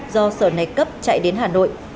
do sở này cấp chạy đến hà nội